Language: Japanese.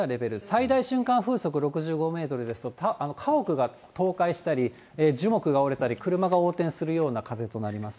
最大瞬間風速６５メートルですと、家屋が倒壊したり、樹木が折れたり、車が横転するような風となります。